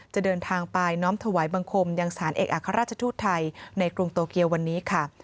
จะเดินทางไปน้อมถวายบังคมยังสถานเอกอัครราชทูตไทยในกรุงโตเกียววันนี้ค่ะ